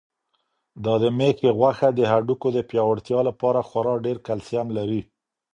دا د مېښې غوښه د هډوکو د پیاوړتیا لپاره خورا ډېر کلسیم لري.